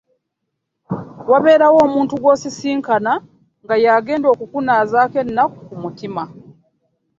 Wabeerawo omuntu gw'osisinkana nga yagenda okunazaako ennaku ku mutima.